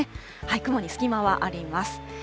雲に隙間はあります。